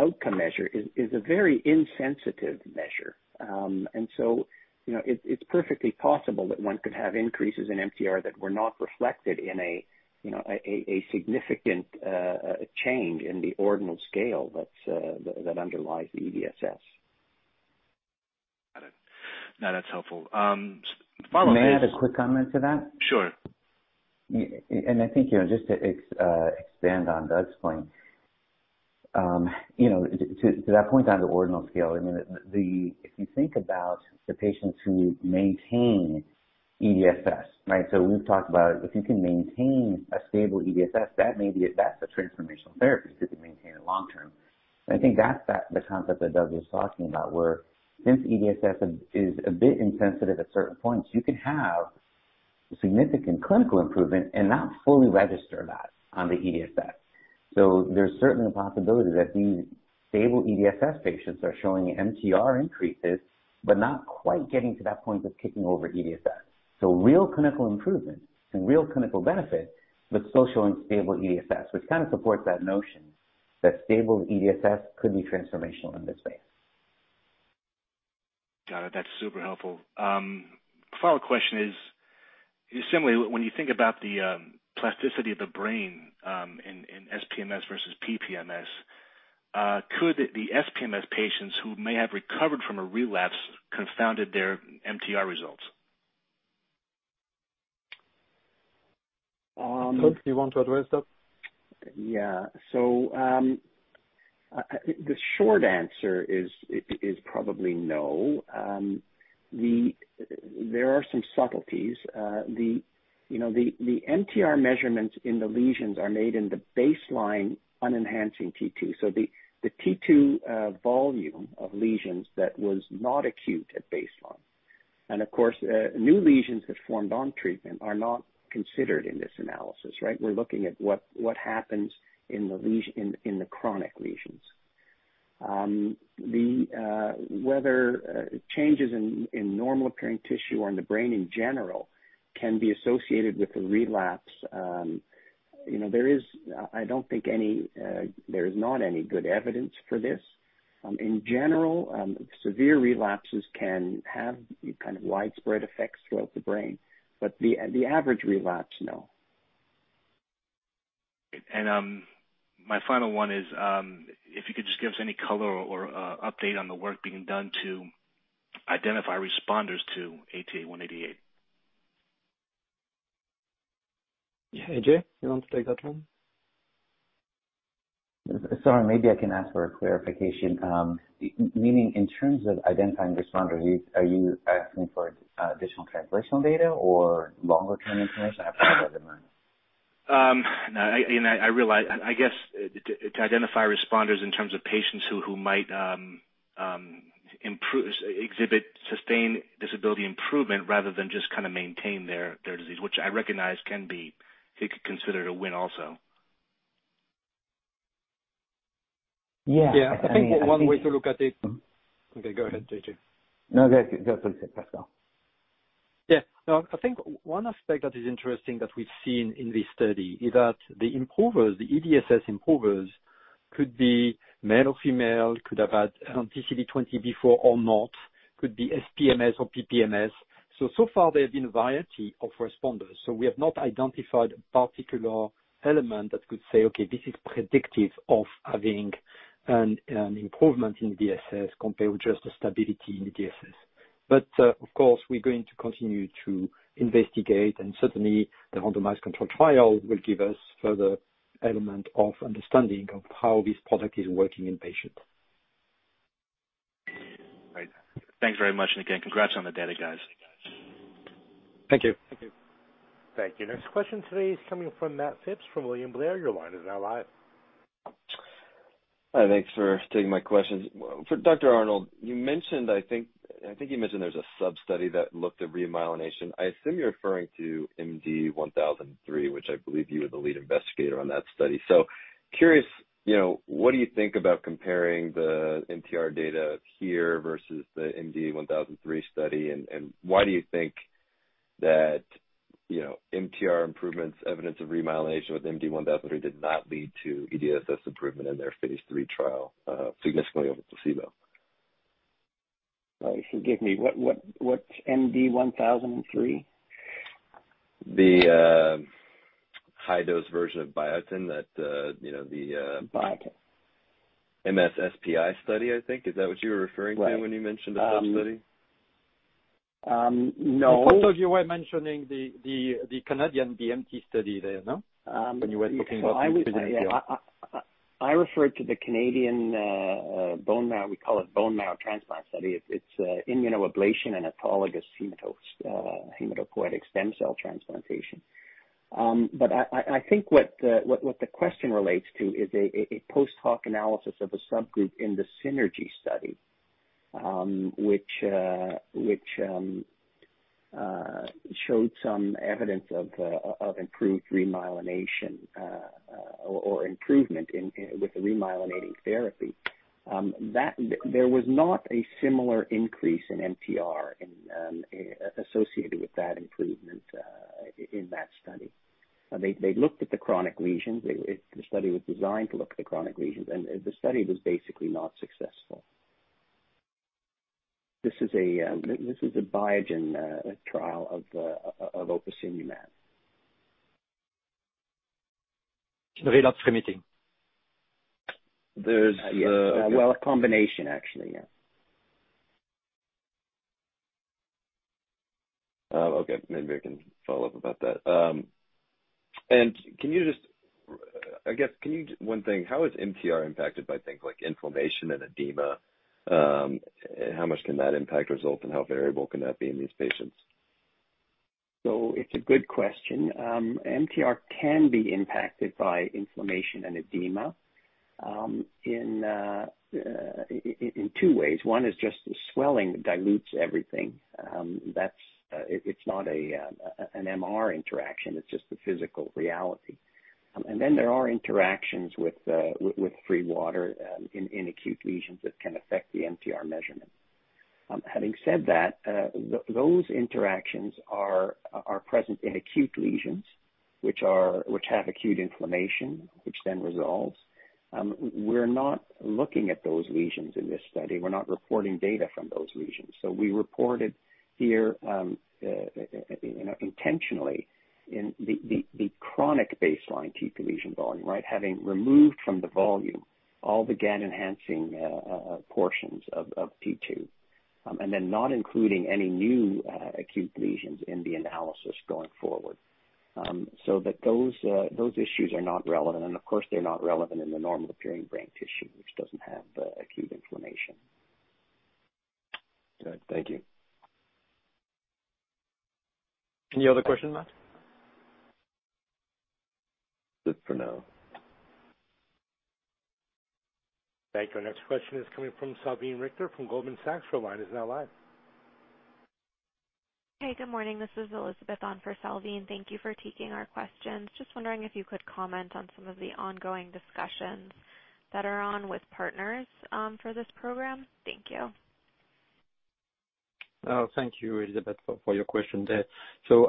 outcome measure is a very insensitive measure. It's perfectly possible that one could have increases in MTR that were not reflected in a significant change in the ordinal scale that underlies the EDSS. Got it. No, that's helpful. May I add a quick comment to that? Sure. I think just to expand on Doug's point, to that point on the ordinal scale, if you think about the patients who maintain EDSS, right? We've talked about if you can maintain a stable EDSS, that's a transformational therapy if you can maintain it long-term. I think that's the concept that Doug was talking about, where since EDSS is a bit insensitive at certain points, you could have significant clinical improvement and not fully register that on the EDSS. There's certainly a possibility that these stable EDSS patients are showing MTR increases but not quite getting to that point of tipping over EDSS. Real clinical improvement and real clinical benefit, but still showing stable EDSS, which kind of supports that notion that stable EDSS could be transformational in this space. Got it. That's super helpful. Follow-up question is, similarly, when you think about the plasticity of the brain in SPMS versus PPMS, could the SPMS patients who may have recovered from a relapse confounded their MTR results? Doug, do you want to address that? Yeah. The short answer is probably no. There are some subtleties. The MTR measurements in the lesions are made in the baseline unenhancing T2, so the T2 volume of lesions that was not acute at baseline. Of course, new lesions that formed on treatment are not considered in this analysis, right? We're looking at what happens in the chronic lesions. Whether changes in normal appearing tissue or in the brain in general can be associated with a relapse. There is not any good evidence for this. In general, severe relapses can have widespread effects throughout the brain. The average relapse, no. My final one is if you could just give us any color or update on the work being done to identify responders to ATA188? AJ, you want to take that one? Sorry. Maybe I can ask for a clarification. Meaning in terms of identifying responders, are you asking for additional translational data or longer-term information? No. I realize. I guess, to identify responders in terms of patients who might exhibit sustained disability improvement rather than just maintain their disease, which I recognize can be considered a win also. Yeah. Yeah. I think one way to look at it. Okay, go ahead, AJ. No, go, Pascal. Yeah. No, I think one aspect that is interesting that we've seen in this study is that the improvers, the EDSS improvers, could be male or female, could have had anti-CD20 or not, could be SPMS or PPMS. So far there have been a variety of responders. We have not identified a particular element that could say, "Okay, this is predictive of having an improvement in EDSS compared with just the stability in the EDSS." Of course, we're going to continue to investigate, and certainly the randomized control trial will give us further element of understanding of how this product is working in patients. Great. Thanks very much. Again, congrats on the data, guys. Thank you. Thank you. Next question today is coming from Matt Phipps from William Blair. Your line is now live. Hi. Thanks for taking my questions. For Dr. Arnold, I think you mentioned there's a sub-study that looked at remyelination. I assume you're referring to MD1003, which I believe you were the lead investigator on that study. Curious, what do you think about comparing the MTR data here versus the MD1003 study, and why do you think that MTR improvements, evidence of remyelination with MD1003 did not lead to EDSS improvement in their phase III trial significantly over placebo? Forgive me. What's MD1003? The high-dose version of biotin that the- Biotin? MS-SPI study, I think. Is that what you were referring to when you mentioned the sub-study? No. I thought you were mentioning the Canadian BMT study there, no? When you were talking about- I referred to the Canadian bone marrow. We call it bone marrow transplant study. It's immunoablation and autologous hematopoietic stem cell transplantation. I think what the question relates to is a post hoc analysis of a subgroup in the SYNERGY study, which showed some evidence of improved remyelination or improvement with the remyelinating therapy. There was not a similar increase in MTR associated with that improvement in that study. They looked at the chronic lesions. The study was designed to look at the chronic lesions. The study was basically not successful. This is a biotin trial of opicinumab. Relapse remitting. Well, a combination, actually, yeah. Okay. Maybe I can follow up about that. One thing, how is MTR impacted by things like inflammation and edema? How much can that impact result and how variable can that be in these patients? It's a good question. MTR can be impacted by inflammation and edema in two ways. One is just the swelling dilutes everything. It's not an MR interaction. It's just the physical reality. There are interactions with free water in acute lesions that can affect the MTR measurement. Having said that, those interactions are present in acute lesions, which have acute inflammation, which then resolves. We're not looking at those lesions in this study. We're not reporting data from those lesions. We reported here intentionally in the chronic baseline T2 lesion volume, right? Having removed from the volume all the Gd enhancing portions of T2. Not including any new acute lesions in the analysis going forward. That those issues are not relevant. Of course, they're not relevant in the normal appearing brain tissue, which doesn't have the acute inflammation. Good. Thank you. Any other questions, Matt? Good for now. Thank you. Our next question is coming from Salveen Richter from Goldman Sachs. Your line is now live. Hey, good morning. This is Elizabeth on for Salveen. Thank you for taking our questions. Just wondering if you could comment on some of the ongoing discussions that are on with partners for this program? Thank you. Oh, thank you, Elizabeth, for your question there.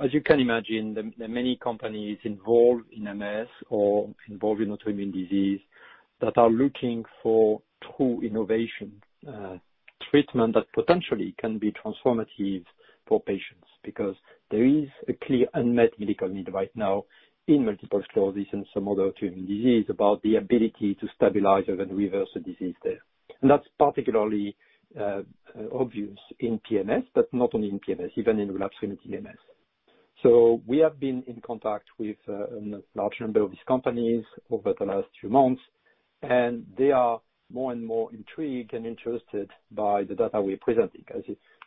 As you can imagine, there are many companies involved in MS or involved in autoimmune disease that are looking for true innovation treatment that potentially can be transformative for patients. There is a clear unmet medical need right now in multiple sclerosis and some other autoimmune disease about the ability to stabilize and reverse the disease there. That's particularly obvious in PMS, but not only in PMS, even in relapsing MS. We have been in contact with a large number of these companies over the last few months, and they are more and more intrigued and interested by the data we are presenting. As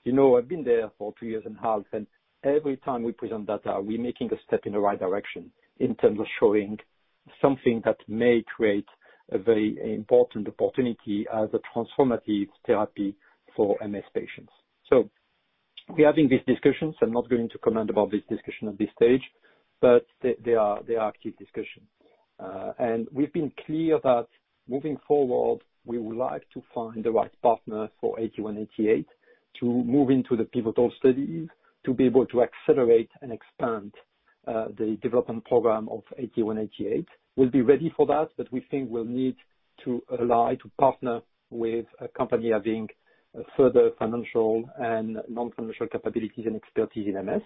you know, I've been there for 2.5 years, every time we present data, we're making a step in the right direction in terms of showing something that may create a very important opportunity as a transformative therapy for MS patients. We are having these discussions. I'm not going to comment about this discussion at this stage, they are active discussions. We've been clear that moving forward, we would like to find the right partner for ATA188 to move into the pivotal studies, to be able to accelerate and expand the development program of ATA188. We'll be ready for that, we think we'll need to ally, to partner with a company having further financial and non-financial capabilities and expertise in MS.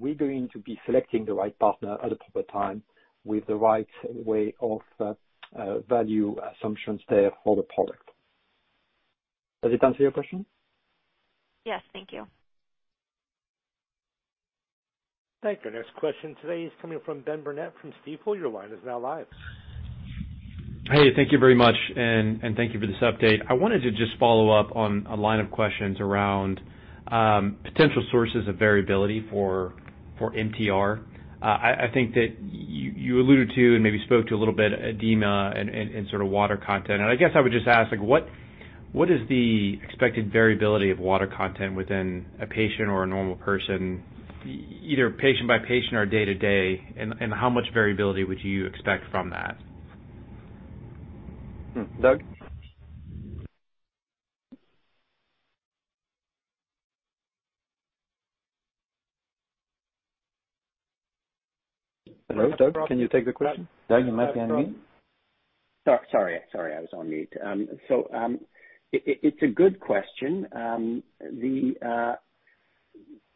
We're going to be selecting the right partner at the proper time with the right way of value assumptions there for the product. Does it answer your question? Yes. Thank you. Thank you. Next question today is coming from Ben Burnett from Stifel. Your line is now live. Hey, thank you very much, and thank you for this update. I wanted to just follow up on a line of questions around potential sources of variability for MTR. I think that you alluded to and maybe spoke to a little bit, edema and sort of water content. I guess I would just ask, what is the expected variability of water content within a patient or a normal person, either patient by patient or day to day, and how much variability would you expect from that? Doug? Hello, Doug, can you take the question? Doug, you might be on mute. Sorry. I was on mute. It's a good question.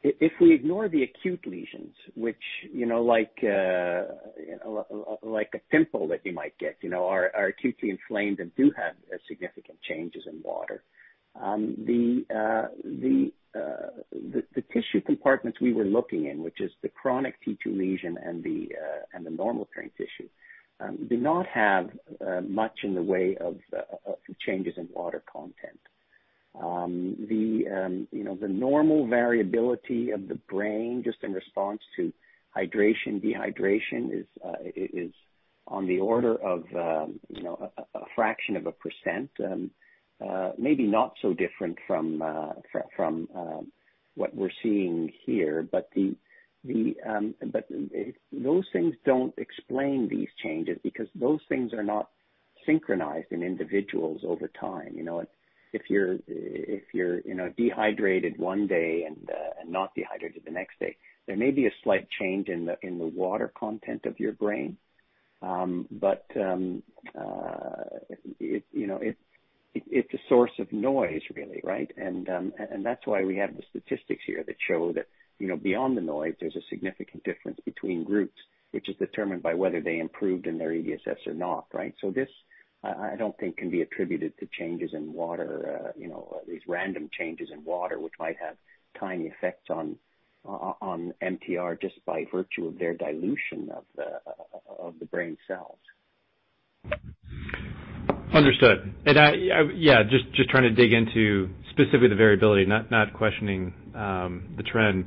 If we ignore the acute lesions, which like a pimple that you might get, are acutely inflamed and do have significant changes in water. The tissue compartments we were looking in, which is the chronic T2 lesion and the normal brain tissue, do not have much in the way of changes in water content. The normal variability of the brain, just in response to hydration/dehydration is on the order of a fraction of a percent. Maybe not so different from what we're seeing here, but those things don't explain these changes because those things are not synchronized in individuals over time. If you're dehydrated one day and not dehydrated the next day, there may be a slight change in the water content of your brain. It's a source of noise, really, right? That's why we have the statistics here that show that beyond the noise, there's a significant difference between groups, which is determined by whether they improved in their EDSS or not, right? This, I don't think can be attributed to changes in water, these random changes in water, which might have tiny effects on MTR just by virtue of their dilution of the brain cells. Understood. Yeah, just trying to dig into specifically the variability, not questioning the trend.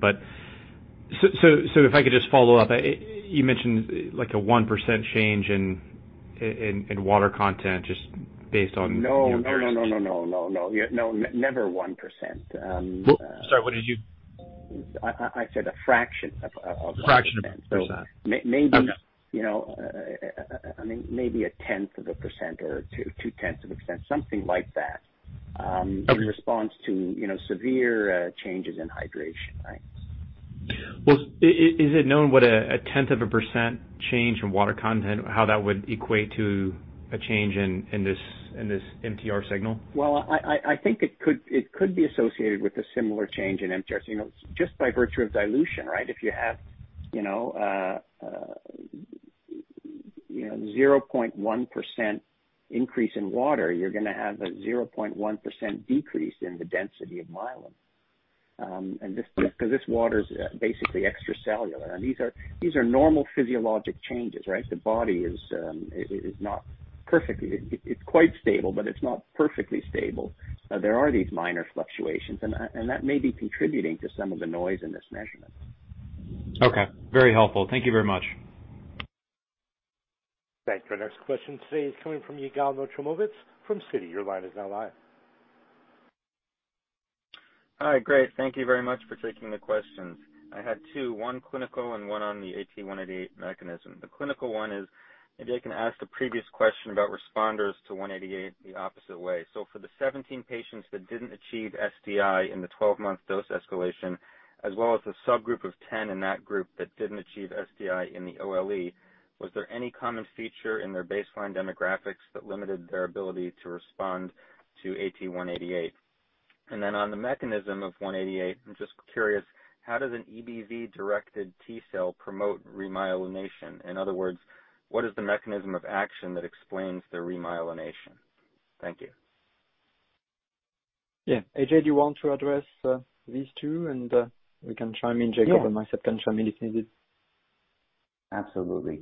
If I could just follow up. You mentioned like a 1% change in water content just based on. No. Never 1%. Sorry, what did you? I said a fraction of 1%. A fraction of percent. Got it. Maybe 0.1% or 0.2%, something like that. Okay. In response to severe changes in hydration, right? Well, is it known what 0.1% change in water content, how that would equate to a change in this MTR signal? Well, I think it could be associated with a similar change in MTR. Just by virtue of dilution, right? If you have a 0.1% increase in water, you're going to have a 0.1% decrease in the density of myelin. Because this water is basically extracellular. These are normal physiologic changes, right? The body is quite stable, but it's not perfectly stable. There are these minor fluctuations, and that may be contributing to some of the noise in this measurement. Okay. Very helpful. Thank you very much. Thank you. Our next question today is coming from Yigal Nochomovitz from Citi. Your line is now live. Hi. Great. Thank you very much for taking the questions. I had two, one clinical and one on the ATA188 mechanism. The clinical one is maybe I can ask a previous question about responders to 188 the opposite way. For the 17 patients that didn't achieve SDI in the 12-month dose escalation, as well as the subgroup of 10 in that group that didn't achieve SDI in the OLE, was there any common feature in their baseline demographics that limited their ability to respond to ATA188? On the mechanism of 188, I'm just curious, how does an EBV-directed T-cell promote remyelination? In other words, what is the mechanism of action that explains the remyelination? Thank you. Yeah. AJ, do you want to address these two? We can chime in, Doug or myself can chime in if needed. Absolutely.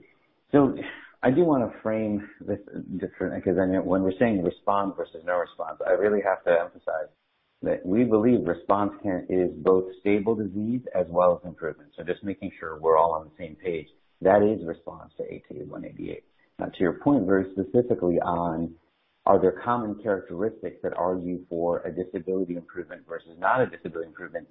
I do want to frame this differently, because when we're saying response versus no response, I really have to emphasize that we believe response is both stable disease as well as improvement. Just making sure we're all on the same page. That is response to ATA188. To your point, very specifically on are there common characteristics that argue for a disability improvement versus not a disability improvement?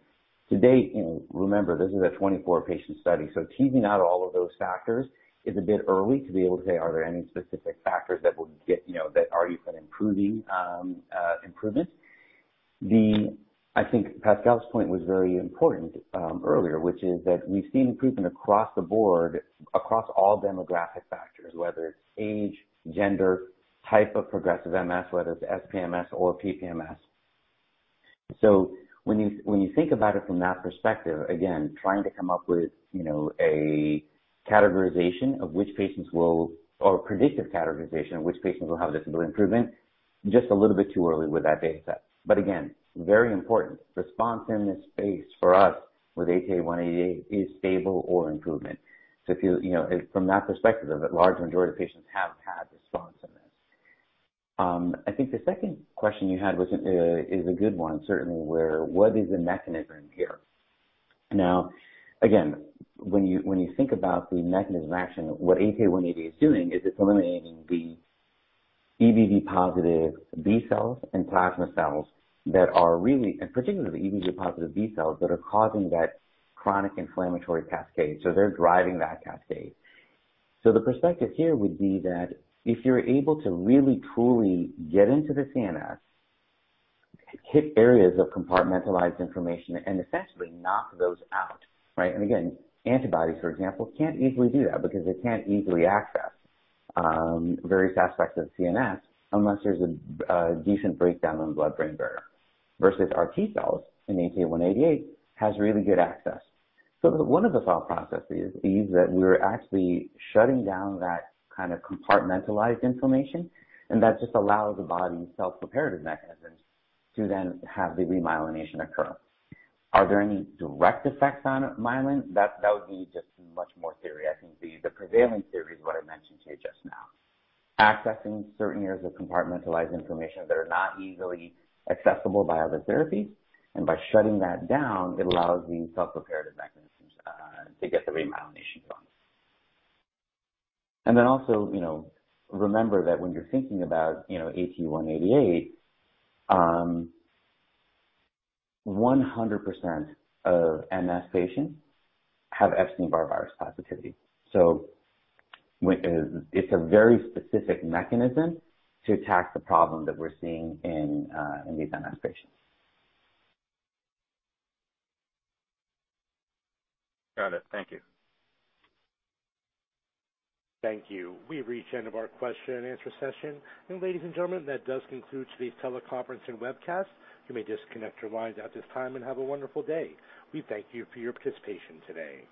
To date, remember, this is a 24-patient study. Teasing out all of those factors is a bit early to be able to say, are there any specific factors that argue for an improvement? I think Pascal's point was very important earlier, which is that we've seen improvement across the board, across all demographic factors, whether it's age, gender, type of progressive MS, whether it's SPMS or PPMS. When you think about it from that perspective, again, trying to come up with a predictive categorization of which patients will have disability improvement, just a little bit too early with that data set. Again, very important. Response in this space for us with ATA188 is stable or improvement. From that perspective, a large majority of patients have had response in this. I think the second question you had is a good one, certainly, where what is the mechanism here? Again, when you think about the mechanism of action, what ATA188 is doing is it's eliminating the EBV-positive B cells and plasma cells, and particularly the EBV-positive B cells, that are causing that chronic inflammatory cascade. They're driving that cascade. The perspective here would be that if you're able to really, truly get into the CNS, hit areas of compartmentalized inflammation, and essentially knock those out, right? Again, antibodies, for example, can't easily do that because they can't easily access various aspects of CNS unless there's a decent breakdown in blood-brain barrier. Versus our T-cells in ATA188 has really good access. One of the thought processes is that we are actually shutting down that kind of compartmentalized inflammation, and that just allows the body's self-reparative mechanisms to then have the remyelination occur. Are there any direct effects on myelin? That would be just much more theory. I think the prevailing theory is what I mentioned to you just now. Accessing certain areas of compartmentalized inflammation that are not easily accessible by other therapies, and by shutting that down, it allows the self-repairative mechanisms to get the remyelination going. Also remember that when you're thinking about ATA188, 100% of MS patients have Epstein-Barr virus positivity. It's a very specific mechanism to attack the problem that we're seeing in these MS patients. Got it. Thank you. Thank you. We've reached the end of our question and answer session. Ladies and gentlemen, that does conclude today's teleconference and webcast. You may disconnect your lines at this time and have a wonderful day. We thank you for your participation today.